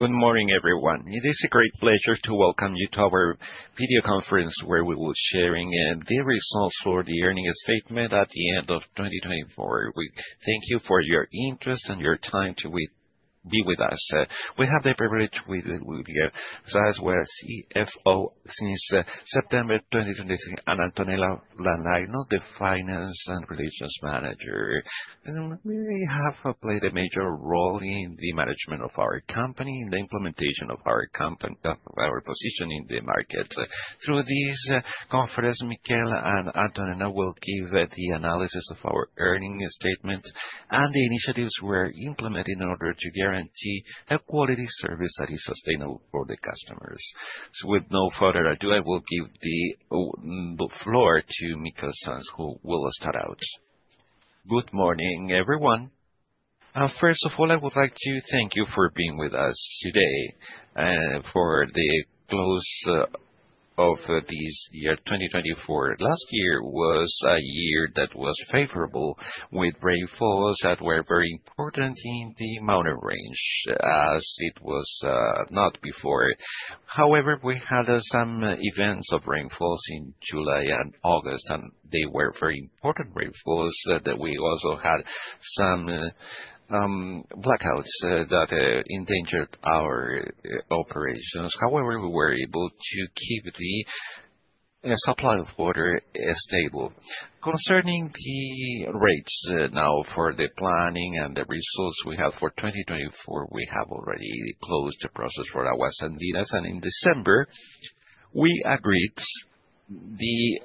Good morning, everyone. It is a great pleasure to welcome you to our video conference, where we will sharing the results for the earnings statement at the end of 2024. We thank you for your interest and your time to be with us. We have the privilege with Miquel Sans, our CFO since September 2023, and Antonella Laino, the finance and investor relations manager. They really have played a major role in the management of our company, in the implementation of our position in the market. Through this conference, Miquel and Antonella will give the analysis of our earnings statement and the initiatives we're implementing in order to guarantee a quality service that is sustainable for the customers. With no further ado, I will give the floor to Miquel Sans, who will start out. Good morning, everyone. First of all, I would like to thank you for being with us today for the close of this year, 2024. Last year was a year that was favorable, with rainfalls that were very important in the mountain range, as it was not before. However, we had some events of rainfalls in July and August, and they were very important rainfalls. That we also had some blackouts that endangered our operations. However, we were able to keep the supply of water stable. Concerning the rates now for the planning and the results we have for 2024, we have already closed the process for Aguas Andinas, and in December, we agreed the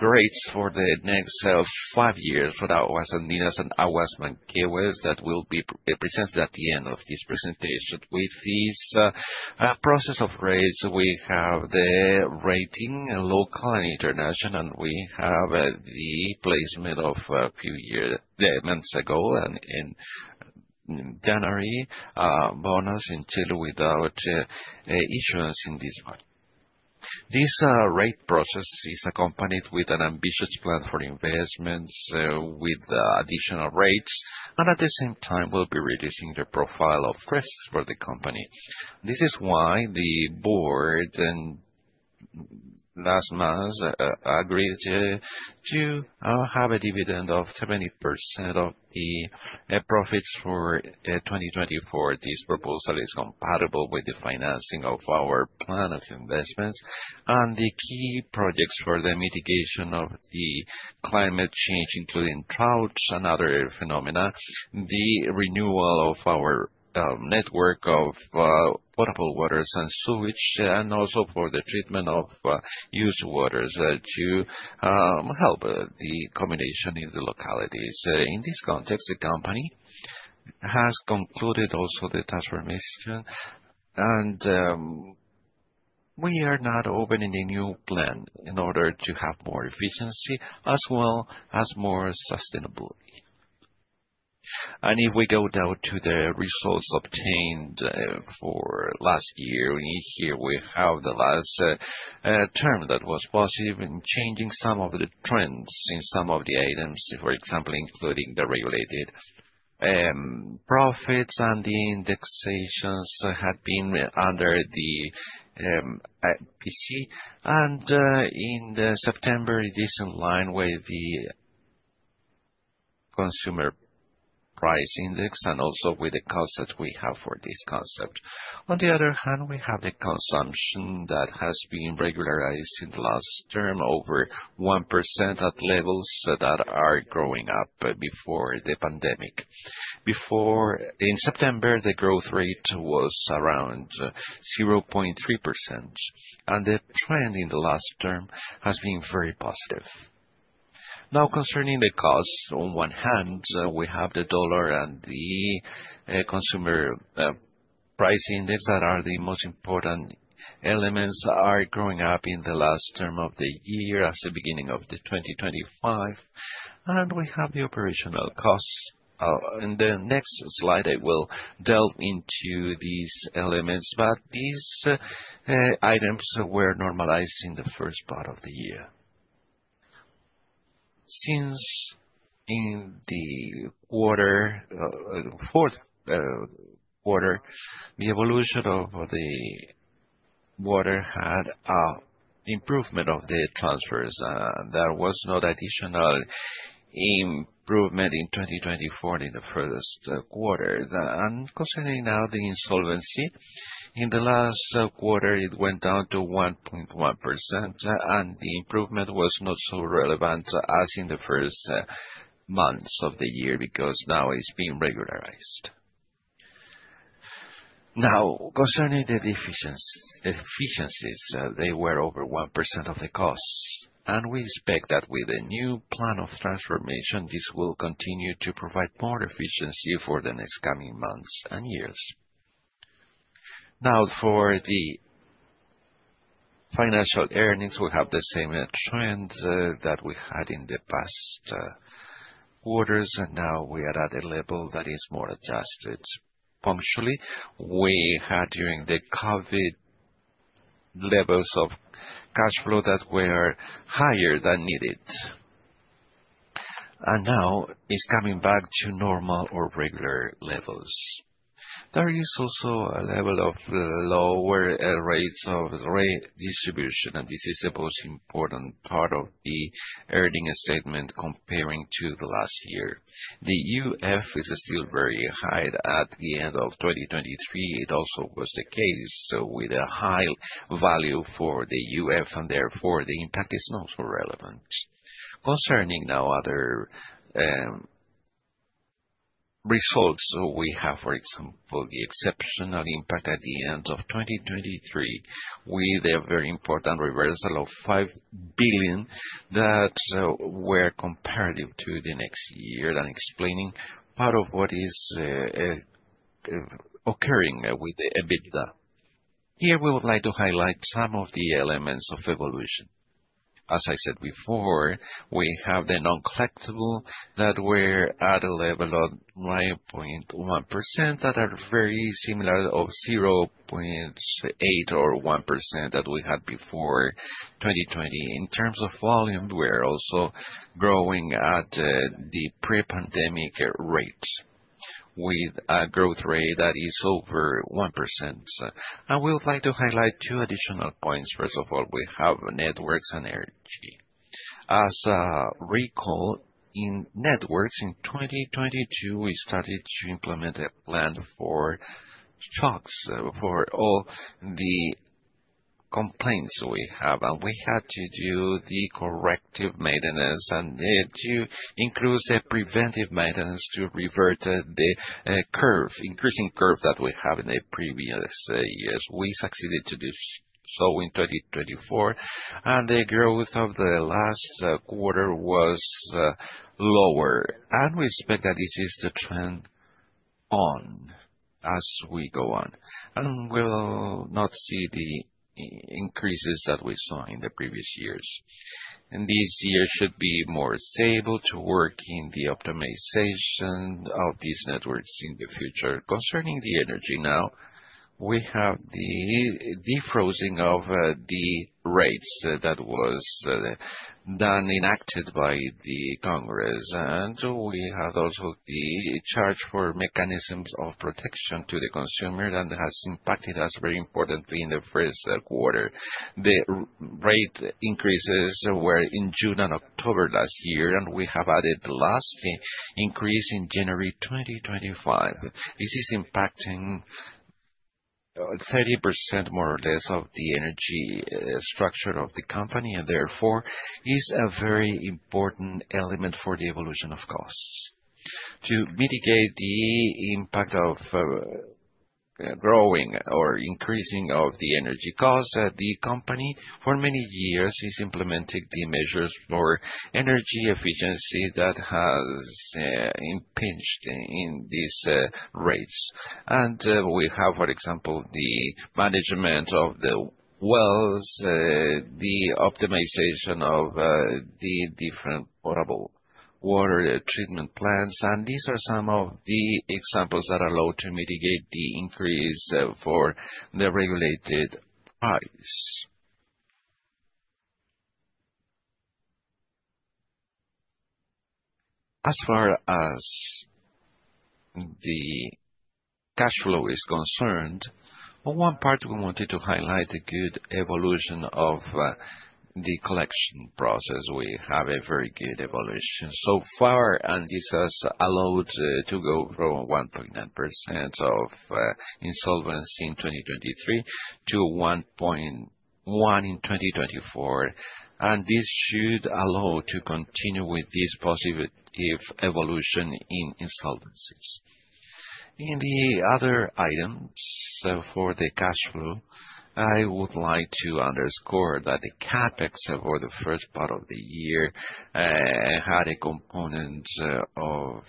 rates for the next five years for the Aguas Andinas and Aguas Manquehue that will be presented at the end of this presentation. With this process of rates, we have the local and international rating, and we have the placement of a bond issuance a few months ago in January bonus [without issuance in this month]. This rate process is accompanied with an ambitious plan for investments with additional rates, and at the same time, we'll be reducing the profile of risks for the company. This is why the board in last month agreed to have a dividend of 70% of the profits for 2024. This proposal is compatible with the financing of our plan of investments and the key projects for the mitigation of the climate change, including droughts and other phenomena, the renewal of our network of potable waters and sewage, and also for the treatment of waste waters to help the communities in the localities. In this context, the company has concluded also the transformation and we are now opening a new plan in order to have more efficiency as well as more sustainability. If we go now to the results obtained for last year, here we have the last quarter that was positive in changing some of the trends in some of the items, for example, including the regulated profits and the indexations had been under the IPC. In September, it is in line with the consumer price index and also with the concept we have for this concept. On the other hand, we have the consumption that has been regularized in the last term, over 1% at levels that are growing up before the pandemic. In September, the growth rate was around 0.3%, and the trend in the last term has been very positive. Now concerning the costs, on one hand, we have the dollar and the consumer price index that are the most important elements are growing up in the last term of the year as the beginning of the 2025. We have the operational costs. In the next slide, I will delve into these elements, but these items were normalized in the first part of the year. Since in the fourth quarter, the evolution of the water had an improvement of the transfers. There was no additional improvement in 2024 in the first quarter. Concerning now the insolvency, in the last quarter, it went down to 1.1%, and the improvement was not so relevant as in the first months of the year, because now it's been regularized. Now, concerning the efficiencies, they were over 1% of the costs, and we expect that with a new plan of transformation, this will continue to provide more efficiency for the next coming months and years. Now, for the financial earnings, we have the same trend that we had in the past quarters, and now we are at a level that is more adjusted. Punctually, we had, during the COVID, levels of cash flow that were higher than needed. Now is coming back to normal or regular levels. There is also a level of lower rates of rate distribution, and this is the most important part of the earnings statement comparing to the last year. The UF is still very high. At the end of 2023, it also was the case, so with a high value for the UF, and therefore, the impact is not so relevant. Concerning now other results, we have, for example, the exceptional impact at the end of 2023, with a very important reversal of 5 billion that were comparative to the next year and explaining part of what is occurring with the EBITDA. Here we would like to highlight some of the elements of evolution. As I said before, we have the non-collectible that were at a level of 9.1%, that are very similar to 0.8% or 1% that we had before 2020. In terms of volume, we are also growing at the pre-pandemic rates, with a growth rate that is over 1%. I would like to highlight two additional points. First of all, we have networks and energy. As you recall, in networks in 2022, we started to implement a shock plan for all the complaints we have, and we had to do the corrective maintenance and to increase the preventive maintenance to revert the increasing curve that we had in the previous years. We succeeded to do so in 2024, and the growth of the last quarter was lower. We expect that this is the trend as we go on, and we'll not see the increases that we saw in the previous years. This year should be more stable to work in the optimization of these networks in the future. Concerning the energy now, we have the defrosting of the rates that was enacted by the Congress. We have also the charge for mechanisms of protection to the consumer, and it has impacted us very importantly in the first quarter. The rate increases were in June and October last year, and we have added the last increase in January 2025. This is impacting 30% more or less of the energy structure of the company, and therefore is a very important element for the evolution of costs. To mitigate the impact of growing or increasing of the energy costs, the company, for many years, is implementing the measures for energy efficiency that has impacted in these rates. We have, for example, the management of the wells, the optimization of the different potable water treatment plants, and these are some of the examples that allow to mitigate the increase for the regulated price. As far as the cash flow is concerned, on the one hand, we wanted to highlight the good evolution of the collection process. We have a very good evolution so far, and this has allowed to go from 1.9% of insolvency in 2023 to 1.1% in 2024. This should allow to continue with this positive evolution in insolvencies. In the other items, for the cash flow, I would like to underscore that the CapEx for the first part of the year, had a component, of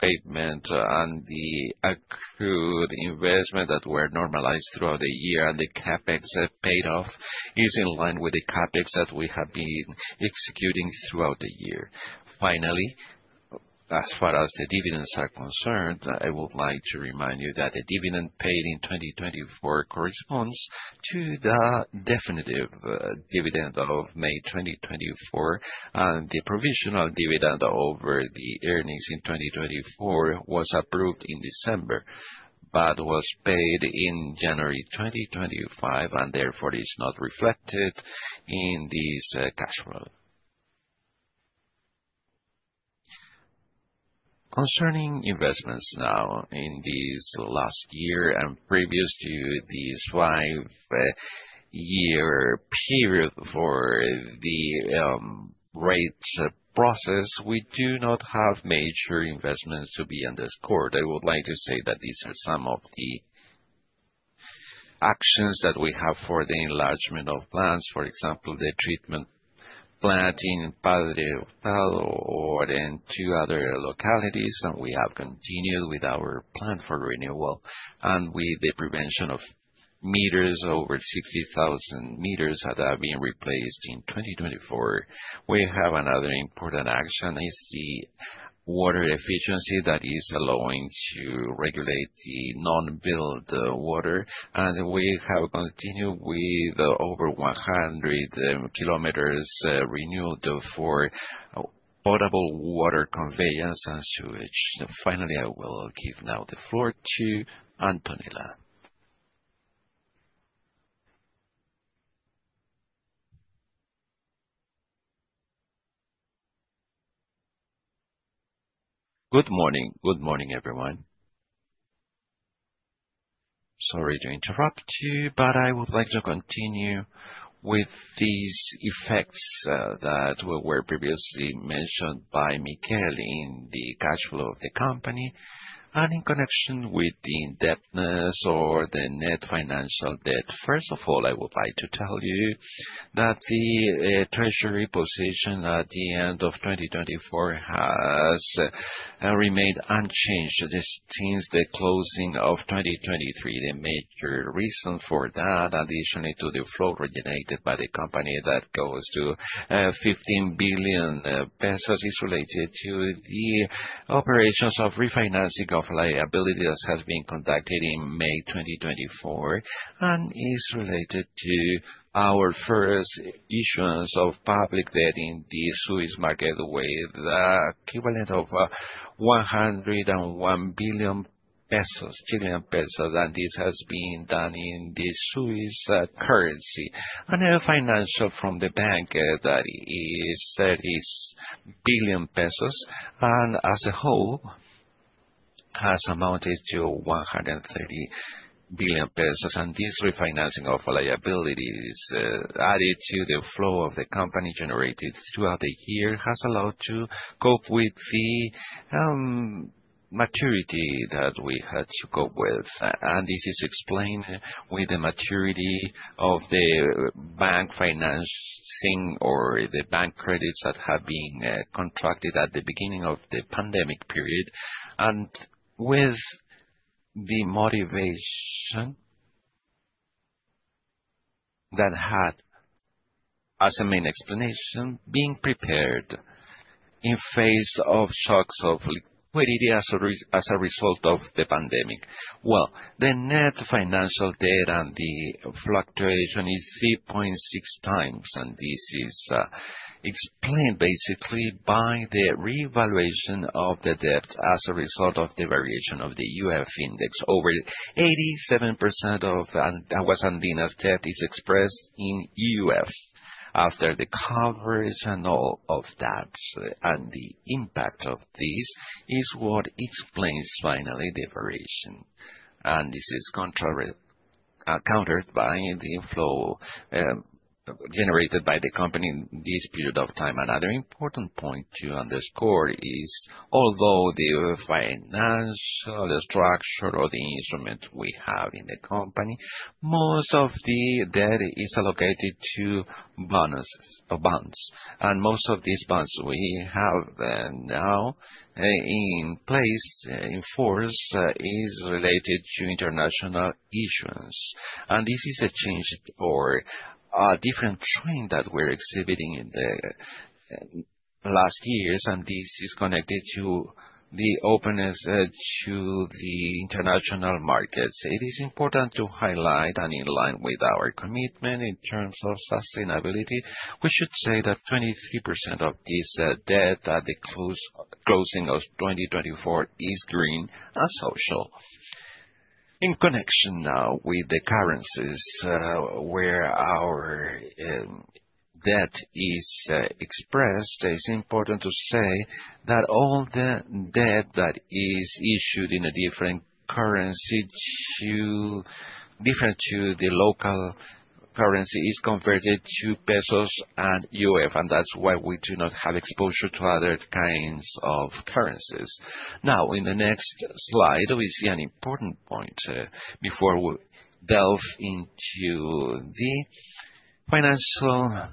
payment and the accrued investment that were normalized throughout the year, and the CapEx paid off is in line with the CapEx that we have been executing throughout the year. Finally, as far as the dividends are concerned, I would like to remind you that the dividend paid in 2024 corresponds to the definitive, dividend of May 2024, and the provisional dividend over the earnings in 2024 was approved in December, but was paid in January 2025, and therefore is not reflected in this cash flow. Concerning investments now in this last year and previous to this five-year period for the rates process, we do not have major investments to be underscored. I would like to say that these are some of the actions that we have for the enlargement of plants. For example, the treatment plant in Padre Hurtado or in two other localities, and we have continued with our plan for renewal. With the prevention of meters, over 60,000 meters that are being replaced in 2024. We have another important action, the water efficiency that is allowing to regulate the non-billed water. We have continued with over 100 kilometers renewed for potable water conveyance and sewage. Finally, I will give now the floor to Antonella. Good morning. Good morning, everyone. Sorry to interrupt you, but I would like to continue with these effects that were previously mentioned by Miquel in the cash flow of the company and in connection with the indebtedness or the net financial debt. First of all, I would like to tell you that the treasury position at the end of 2024 has remained unchanged since the closing of 2023. The major reason for that, additionally to the flow generated by the company that goes to 15 billion pesos, is related to the operations of refinancing of liability that has been conducted in May 2024, and is related to our first issuance of public debt in the Swiss market with the equivalent of 101 billion pesos. This has been done in the Swiss currency. A financing from the bank that is 30 billion pesos, and as a whole has amounted to 130 billion pesos. This refinancing of liabilities, added to the flow of the company generated throughout the year, has allowed to cope with the maturity that we had to cope with. This is explained with the maturity of the bank financing or the bank credits that have been contracted at the beginning of the pandemic period, and with the motivation that had, as a main explanation, being prepared in face of shocks of liquidity as a result of the pandemic. Well, the net financial debt and the fluctuation is 3.6x, and this is explained basically by the revaluation of the debt as a result of the variation of the UF index. Over 87% of Aguas Andinas' debt is expressed in UFs. After the coverage and all of that, and the impact of this is what explains finally the variation. This is countered by the inflow generated by the company in this period of time. Another important point to underscore is although the financial structure or the instrument we have in the company, most of the debt is allocated to bonuses or bonds. Most of these bonds we have now in place, in force, is related to international issuance. This is a change for a different trend that we're exhibiting in the last years, and this is connected to the openness to the international markets. It is important to highlight and in line with our commitment in terms of sustainability, we should say that 23% of this debt at the closing of 2024 is green and social. In connection now with the currencies, where our debt is expressed, it's important to say that all the debt that is issued in a different currency to the local currency is converted to pesos and UF, and that's why we do not have exposure to other kinds of currencies. Now, in the next slide, we see an important point before we delve into the financial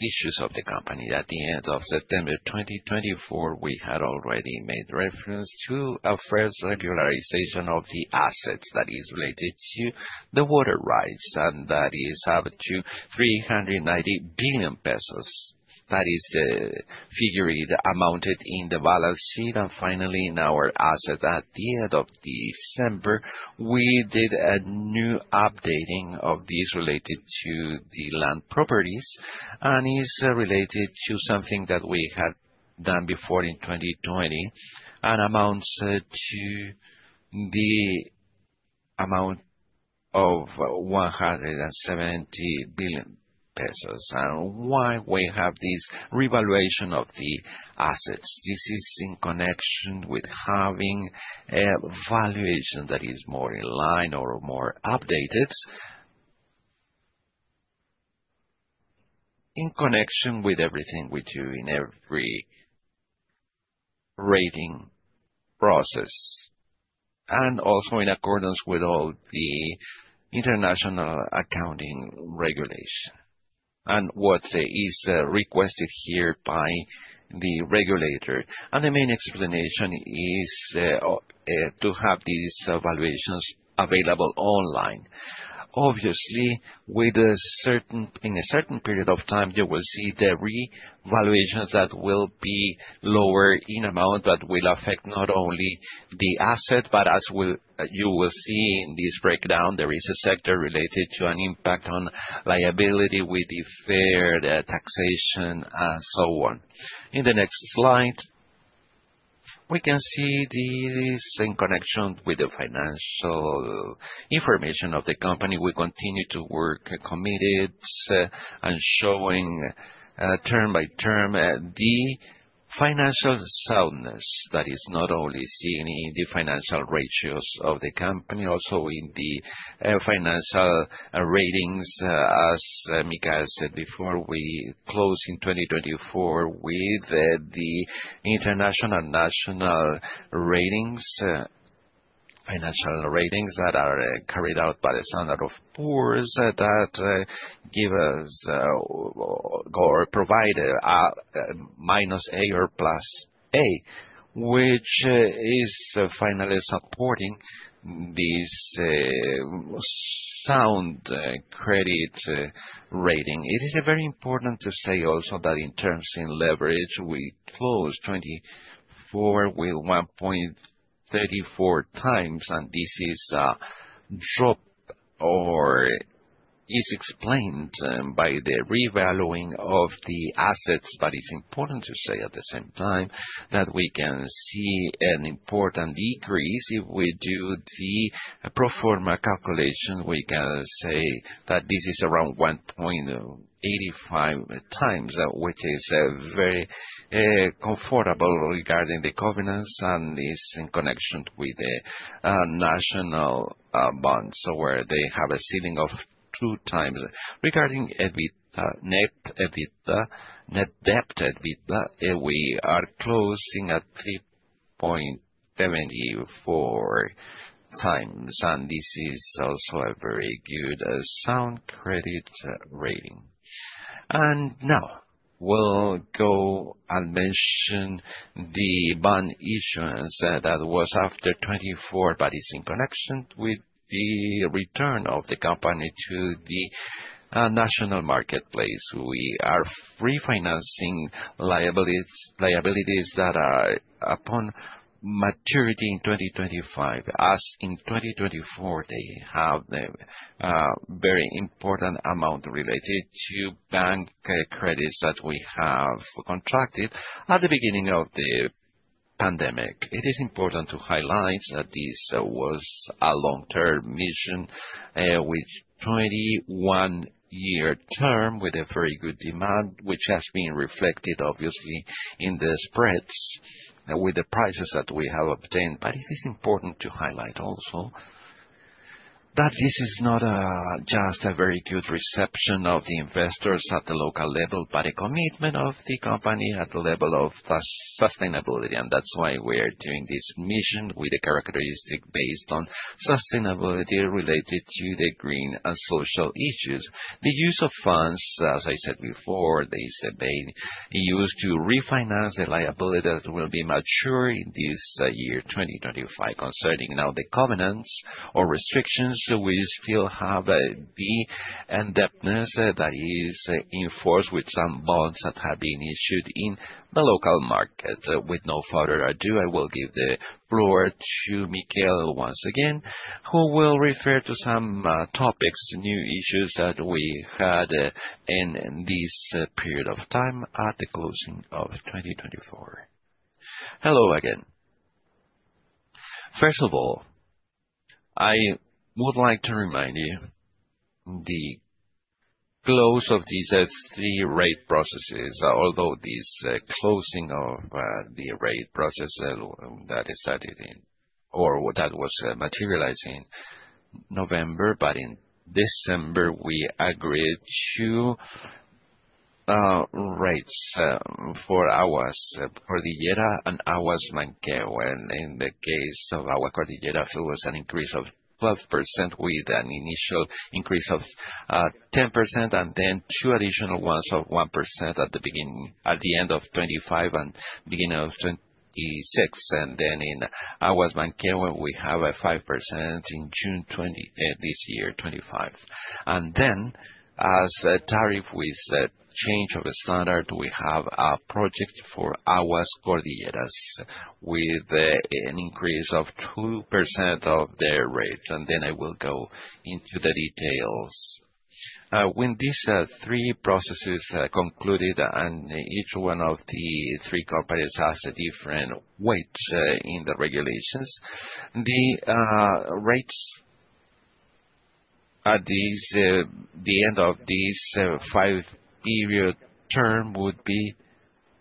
issues of the company. At the end of September 2024, we had already made reference to our first regularization of the assets that is related to the water rights, and that is up to 390 billion pesos. That is the figure that amounted in the balance sheet. Finally, in our assets at the end of December, we did a new updating of these related to the land properties, and is related to something that we had done before in 2020, and amounts to the amount of 170 billion pesos. Why we have this revaluation of the assets? This is in connection with having a valuation that is more in line or more updated. In connection with everything we do in every rating process, and also in accordance with all the international accounting regulation and what is requested here by the regulator. The main explanation is to have these valuations available online. Obviously, in a certain period of time, you will see the revaluations that will be lower in amount that will affect not only the asset, but you will see in this breakdown, there is a sector related to an impact on liability with the fair value, the taxation, and so on. In the next slide, we can see this in connection with the financial information of the company. We continue to work committed and showing term by term the financial soundness that is not only seen in the financial ratios of the company, also in the financial ratings. As Miquel said before, we close in 2024 with the international and national ratings, financial ratings that are carried out by the Standard & Poor's, that give us or provide A- or A+, which is finally supporting this sound credit rating. It is very important to say also that in terms in leverage, we closed 2024 with 1.34x, and this is dropped or is explained by the revaluing of the assets. It's important to say at the same time that we can see an important decrease. If we do the pro forma calculation, we can say that this is around 1.85x, which is very comfortable regarding the covenants and is in connection with the national bonds, where they have a ceiling of 2x. Regarding EBITDA, net EBITDA, net debt EBITDA, we are closing at 3.74x, and this is also a very good sound credit rating. Now we'll go and mention the bond issuance that was after 2024, but is in connection with the return of the company to the national marketplace. We are refinancing liabilities that are upon maturity in 2025. As in 2024, they have the very important amount related to bank credits that we have contracted at the beginning of the pandemic. It is important to highlight that this was a long-term issuance with 21-year term, with a very good demand, which has been reflected obviously in the spreads with the prices that we have obtained. It is important to highlight also that this is not just a very good reception of the investors at the local level, but a commitment of the company at the level of sustainability. That's why we're doing this mission with a characteristic based on sustainability related to the green and social issues. The use of funds, as I said before, they said they used to refinance a liability that will be mature in this year, 2025. Concerning now the covenants or restrictions, we still have the indebtedness that is in force with some bonds that have been issued in the local market. With no further ado, I will give the floor to Miquel once again, who will refer to some topics, new issues that we had in this period of time at the closing of 2024. Hello again. First of all, I would like to remind you the close of these three rate processes. Although this closing of the rate process that was materializing November, in December we agreed to rates for Aguas Cordillera and Aguas Manquehue. In the case of Aguas Cordillera, it was an increase of 12%, with an initial increase of 10%, and then two additional ones of 1% at the end of 2025 and beginning of 2026. In Aguas Manquehue, we have a 5% in June 2025. As a tariff with the change of standard, we have a project for Aguas Cordillera with an increase of 2% of their rates. I will go into the details. When these three processes concluded, and each one of the three corporates has a different weight in the regulations, the rates at the end of this five-year term would be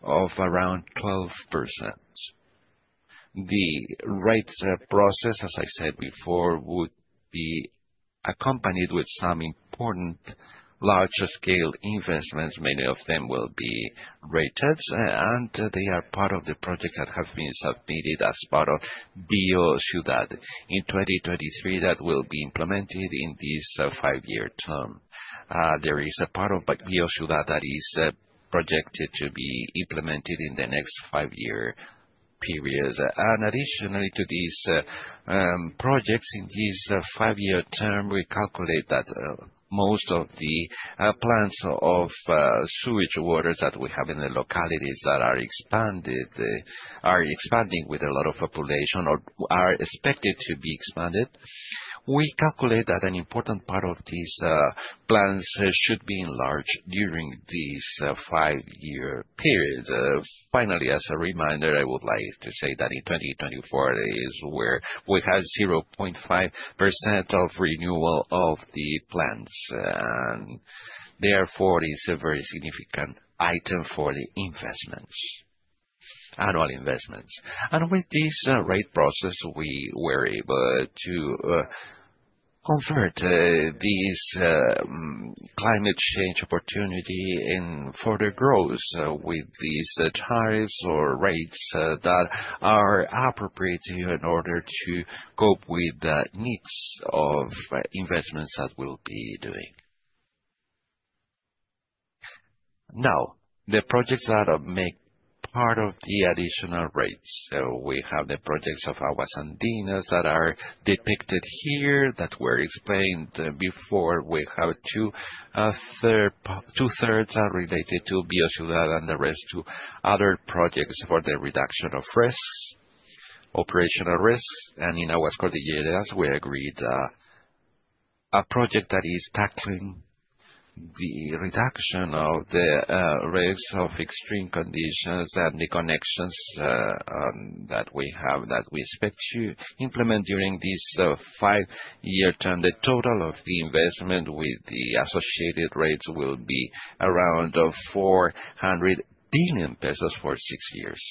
of around 12%. The rates process, as I said before, would be accompanied with some important larger scale investments. Many of them will be rated, and they are part of the projects that have been submitted as part of BioCiudad in 2023 that will be implemented in this five-year term. There is a part of BioCiudad that is projected to be implemented in the next five-year period. Additionally to these projects in this five-year term, we calculate that most of the plants of sewage waters that we have in the localities that are expanded, are expanding with a lot of population or are expected to be expanded. We calculate that an important part of these plants should be enlarged during this five-year period. Finally, as a reminder, I would like to say that in 2024 is where we have 0.5% of renewal of the plants, and therefore is a very significant item for the investments, annual investments. With this rate process, we were able to convert this climate change opportunity in further growth with these tariffs or rates that are appropriate in order to cope with the needs of investments that we'll be doing. Now, the projects that make part of the additional rates. We have the projects of Aguas Andinas that are depicted here that were explained before. We have 2/3 are related to BioCiudad and the rest to other projects for the reduction of risks, operational risks. In Aguas Cordillera, we agreed a project that is tackling the reduction of the risks of extreme conditions and the connections that we have that we expect to implement during this five-year term. The total of the investment with the associated rates will be around 400 billion pesos for six years.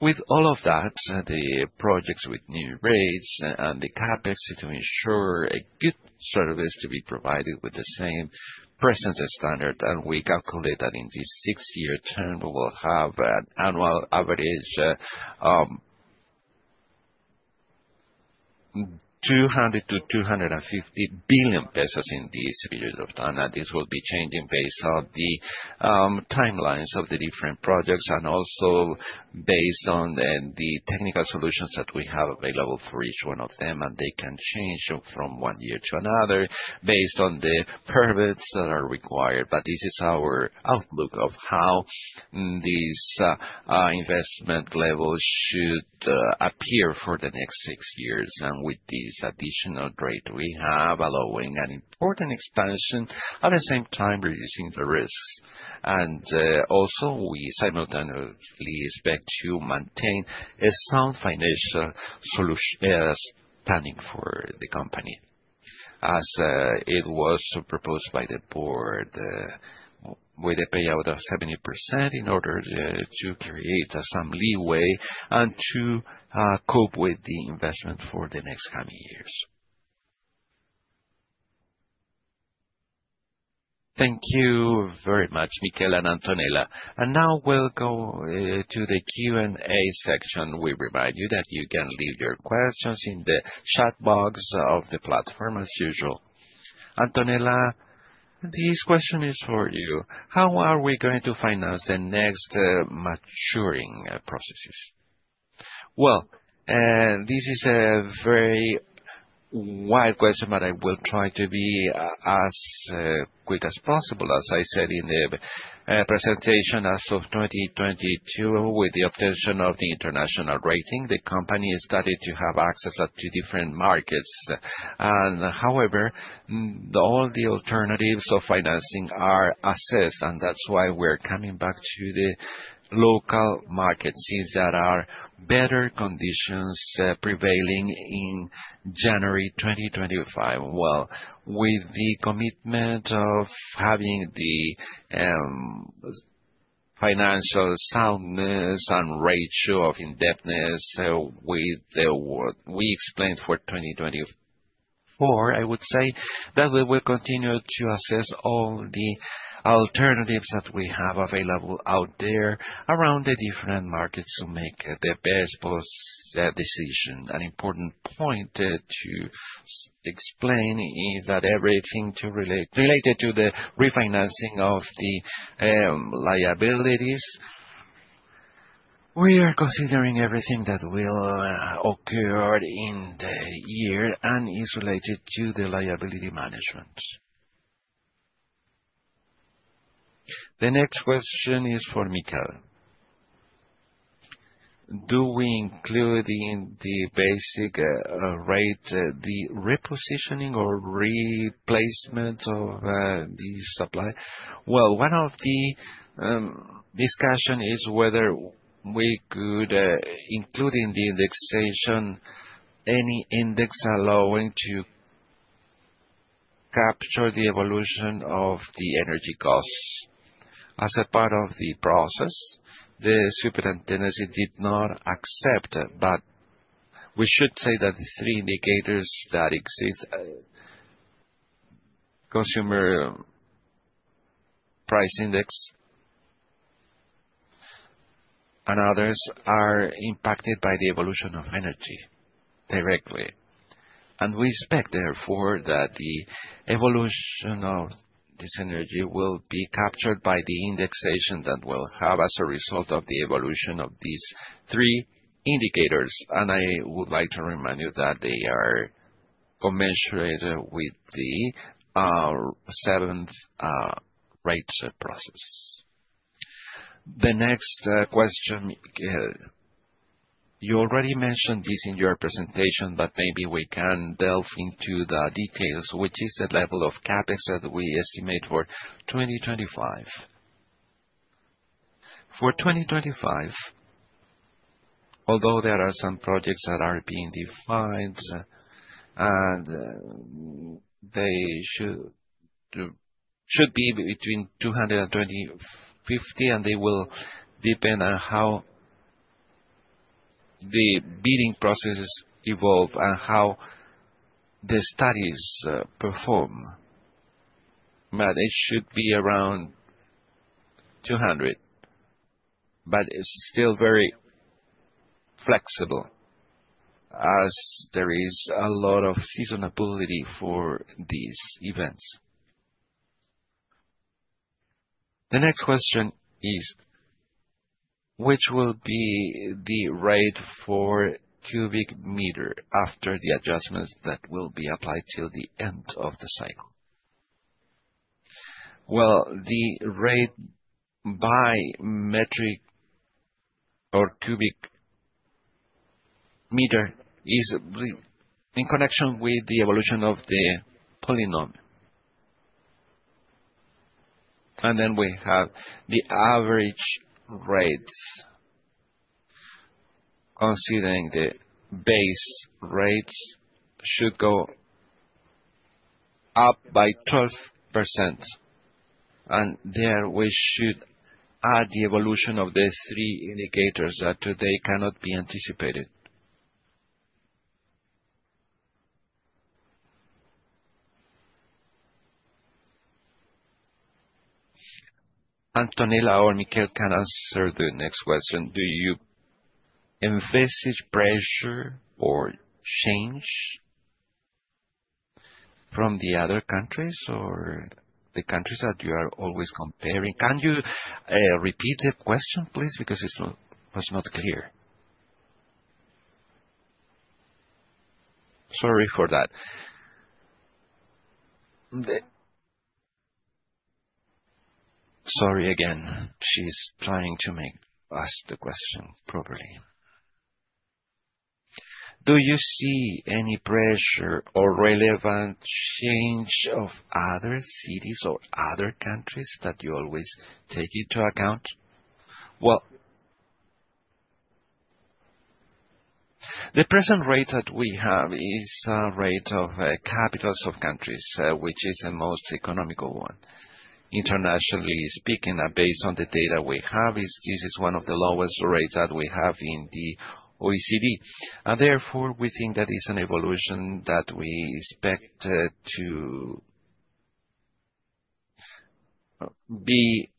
With all of that, the projects with new rates and the CapEx to ensure a good service to be provided with the same presence and standard. We calculate that in this six-year term, we will have an annual average, 200-250 billion pesos in this period of time. This will be changing based on the timelines of the different projects and also based on the technical solutions that we have available for each one of them. They can change from one year to another based on the permits that are required. This is our outlook of how this investment levels should appear for the next six years. With this additional rate, we have allowing an important expansion, at the same time reducing the risks. also we simultaneously expect to maintain a sound financial standing for the company, as it was proposed by the board, with a payout of 70% in order to create some leeway and to cope with the investment for the next coming years. Thank you very much, Miquel and Antonella. now we'll go to the Q&A section. We remind you that you can leave your questions in the chat box of the platform as usual. Antonella, this question is for you. How are we going to finance the next maturities? Well, this is a very wide question, but I will try to be as quick as possible. As I said in the presentation, as of 2022, with the obtain of the international rating, the company started to have access to different markets. However, all the alternatives of financing are assessed, and that's why we're coming back to the local markets, since there are better conditions prevailing in January 2025. Well, with the commitment of having the financial soundness and ratio of indebtedness with what we explained for 2024, I would say that we will continue to assess all the alternatives that we have available out there around the different markets to make the best decision. An important point to explain is that everything related to the refinancing of the liabilities, we are considering everything that will occur in the year and is related to the liability management. The next question is for Miquel. Do we include in the basic rate the repositioning or replacement of the supply? Well, one of the discussion is whether we could include in the indexation any index allowing to capture the evolution of the energy costs. As a part of the process, the Superintendency did not accept, but we should say that the three indicators that exist, consumer price index and others, are impacted by the evolution of energy directly. We expect, therefore, that the evolution of this energy will be captured by the indexation that we'll have as a result of the evolution of these three indicators. I would like to remind you that they are commensurate with the seventh rates process. The next question. You already mentioned this in your presentation, but maybe we can delve into the details, which is the level of CapEx that we estimate for 2025. For 2025, although there are some projects that are being defined, and they should be between 220 and 250, and they will depend on how the bidding processes evolve and how the studies perform. But it should be around 200, but it's still very flexible as there is a lot of seasonality for these events. The next question is. Which will be the rate per cubic meter after the adjustments that will be applied till the end of the cycle? Well, the rate per cubic meter is in connection with the evolution of the polynomial. Then we have the average rates. Considering the base rates should go up by 12%, and there we should add the evolution of the three indicators that today cannot be anticipated. Antonella or Miquel can answer the next question. Do you envisage pressure or change from the other countries or the countries that you are always comparing? Can you repeat the question, please, because it was not clear. Sorry for that. Sorry again. She's trying to ask the question properly. Do you see any pressure or relevant change of other cities or other countries that you always take into account? Well, the present rate that we have is a rate of capitals of countries, which is the most economical one. Internationally speaking, and based on the data we have, this is one of the lowest rates that we have in the OECD. Therefore, we think that is an evolution that we expect to be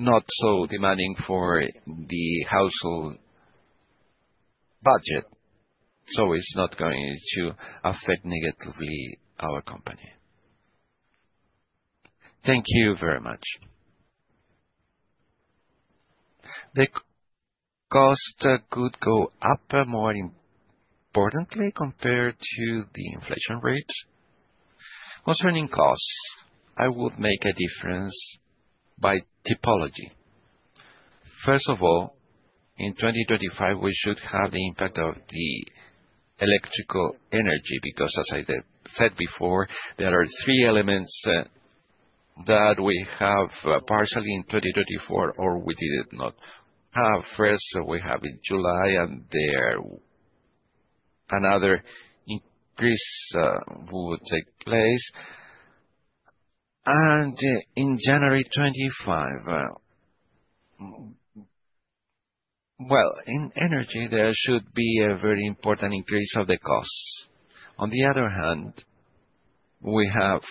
not so demanding for the household budget, so it's not going to affect negatively our company. Thank you very much. The cost could go up more importantly compared to the inflation rate. Concerning costs, I would make a difference by typology. First of all, in 2025, we should have the impact of the electrical energy, because as I said before, there are three elements that we have partially in 2024 or we did not have. First, we have in July, and there another increase would take place. In January 2025, well, in energy, there should be a very important increase of the costs. On the other hand, we have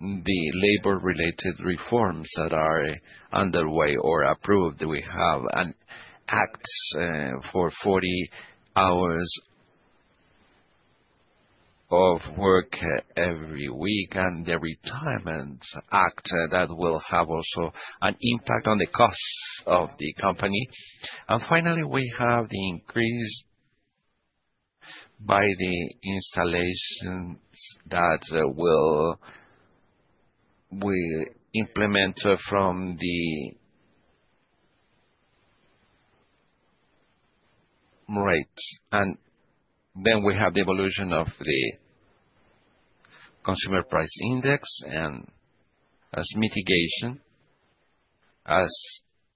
the labor-related reforms that are underway or approved. We have an act for 40 hours of work every week and the retirement act that will have also an impact on the costs of the company. Finally, we have the increase by the installations that we implement from the rates. We have the evolution of the consumer price index, and as mitigation, as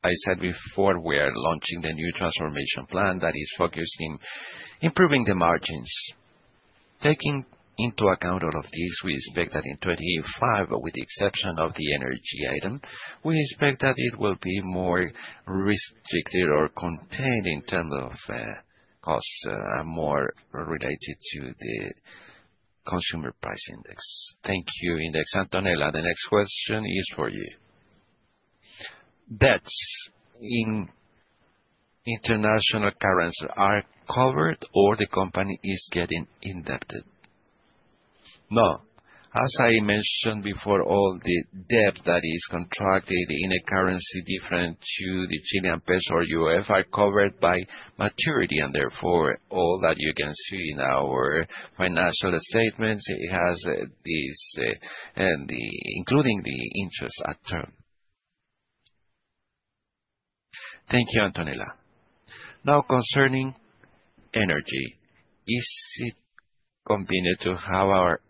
I said before, we are launching the new transformation plan that is focused in improving the margins. Taking into account all of this, we expect that in 2025, with the exception of the energy item, we expect that it will be more restricted or contained in terms of costs more related to the consumer price index. Thank you. Next. Antonella, the next question is for you. Debts in international currency are covered or the company is getting indebted? No. As I mentioned before, all the debt that is contracted in a currency different to the Chilean peso or UF are covered by maturity, and therefore, all that you can see in our financial statements has this and including the interest at term. Thank you, Antonella. Now concerning energy, is it convenient to have our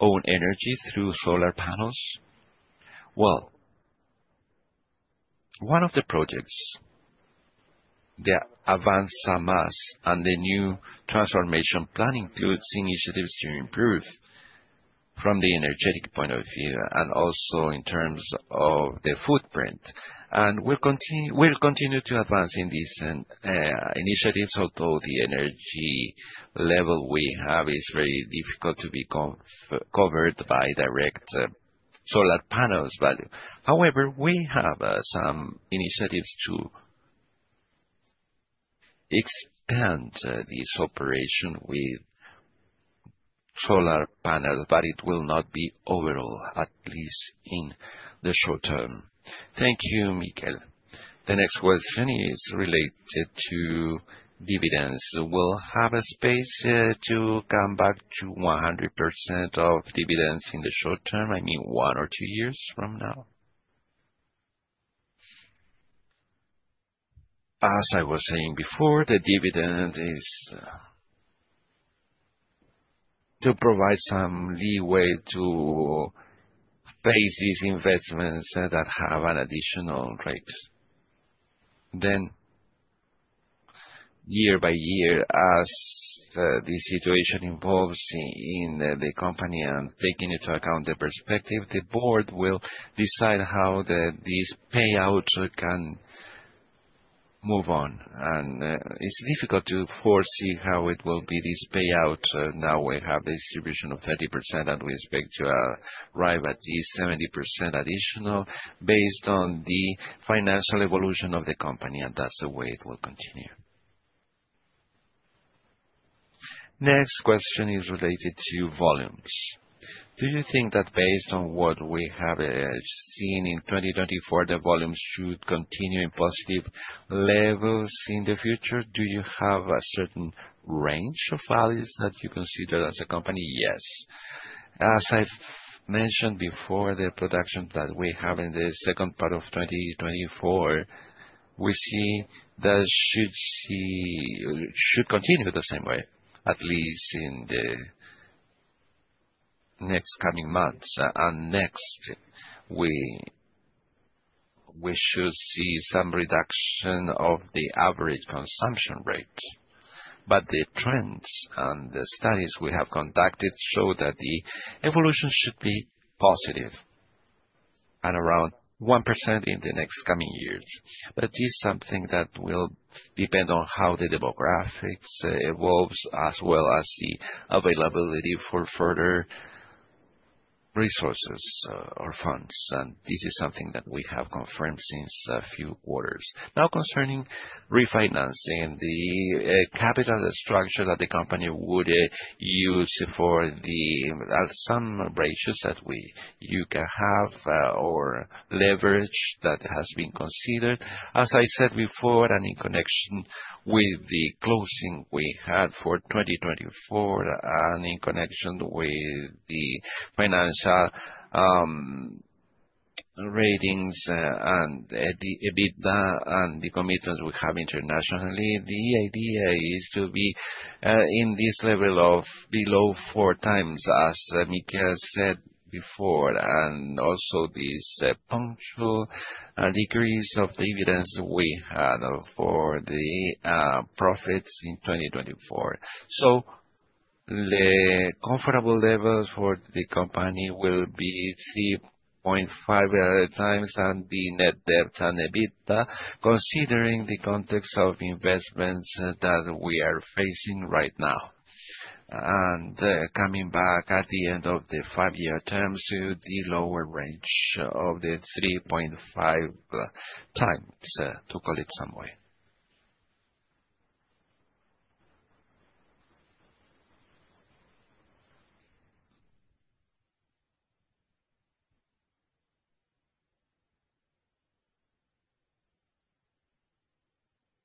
own energy through solar panels? Well, one of the projects, the BioCiudad and the new transformation plan includes initiatives to improve from the energetic point of view and also in terms of the footprint. We'll continue to advance in these initiatives, although the energy level we have is very difficult to be covered by direct solar panels. However, we have some initiatives to expand this operation with solar panels, but it will not be overall, at least in the short term. Thank you, Miquel. The next question is related to dividends. Will have a space to come back to 100% of dividends in the short term, I mean one or two years from now? As I was saying before, the dividend is to provide some leeway to face these investments that have an additional rate. Year-by-year, as the situation evolves in the company and taking into account the perspective, the board will decide how this payout can move on. It's difficult to foresee how it will be this payout. Now we have a distribution of 30%, and we expect to arrive at the 70% additional based on the financial evolution of the company, and that's the way it will continue. Next question is related to volumes. Do you think that based on what we have seen in 2024, the volumes should continue in positive levels in the future? Do you have a certain range of values that you consider as a company? Yes. As I've mentioned before, the production that we have in the second part of 2024, we see that should continue the same way, at least in the next coming months. Next, we should see some reduction of the average consumption rate. The trends and the studies we have conducted show that the evolution should be positive at around 1% in the next coming years. It's something that will depend on how the demographics evolves, as well as the availability for further resources, or funds. This is something that we have confirmed since a few quarters. Now, concerning refinancing the capital structure that the company would use for the some ratios you can have, or leverage that has been considered. As I said before, and in connection with the closing we had for 2024 and in connection with the financial ratings and the EBITDA and the commitments we have internationally, the idea is to be in this level of below 4x, as Miquel said before, and also this punctual decrease of dividends we had for the profits in 2024. The comfortable levels for the company will be 3.5x and the net debt and EBITDA, considering the context of investments that we are facing right now. Coming back at the end of the five-year term to the lower range of the 3.5x, to call it some way.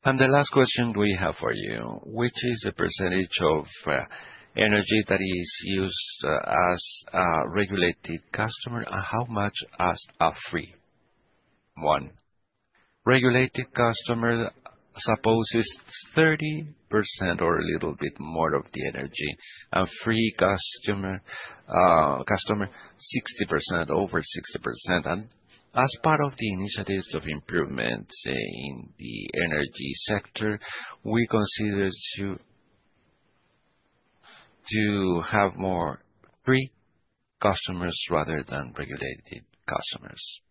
The last question we have for you: Which is the percentage of energy that is used as a regulated customer, and how much as a free one? Regulated customer supposes 30% or a little bit more of the energy. A free customer, 60%, over 60%. As part of the initiatives of improvement in the energy sector, we consider to have more free customers rather than regulated customers.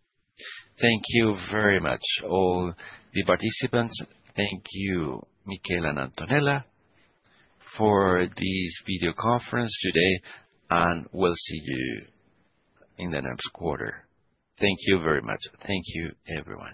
Thank you very much, all the participants. Thank you, Miquel and Antonella, for this video conference today, and we'll see you in the next quarter. Thank you very much. Thank you, everyone.